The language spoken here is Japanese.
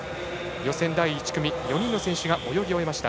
予選第１組４人の選手が泳ぎ終えました。